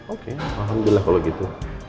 oke alhamdulillah kalau gitu